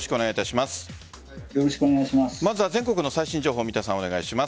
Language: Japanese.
まずは全国の最新情報を三田さん、お願いします。